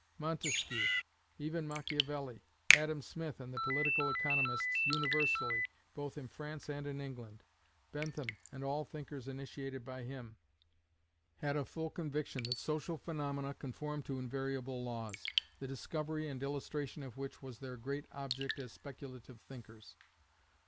Montesquieu; even Macchiavelli; Adam Smith and the political economists universally, both in France and in England; Bentham, and all thinkers initiated by him, had a full conviction that social phaenomena conform to invariable laws, the discovery and illustration of which was their great object as speculative thinkers.